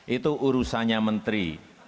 itu urusannya menteri